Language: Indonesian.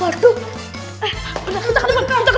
eh bentar bentar